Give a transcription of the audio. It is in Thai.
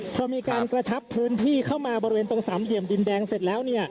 พอมีการกระชับพื้นที่เข้ามาบริเวณตรงสามเหลี่ยมดินแดงเสร็จแล้ว